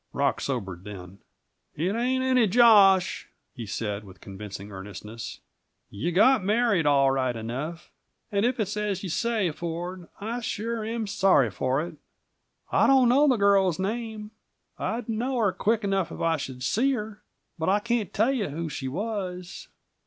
Rock sobered then. "It ain't any josh," he said, with convincing earnestness. "You got married, all right enough. And if it's as you say, Ford, I sure am sorry for it. I don't know the girl's name. I'd know her quick enough if I should see her, but I can't tell you who she was."